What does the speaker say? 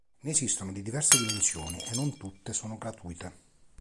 Ne esistono di diverse dimensioni e non tutte sono gratuite.